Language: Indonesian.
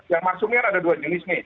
yang maksudnya ada dua jenis nih